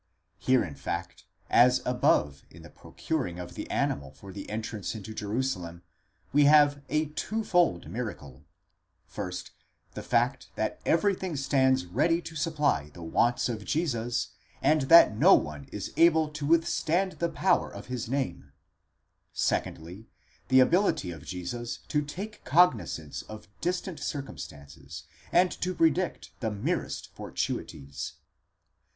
Here, in fact, as above in the procuring of the animal for the entrance into Jerusalem, we have a twofold miracle : first, the fact that everything stands ready to supply the wants of Jesus, and that no one is able to withstand the power of his name; secondly, the ability of Jesus to take cognizance of distant circum stances, and to predict the merest fortuities.